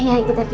ya kita pergi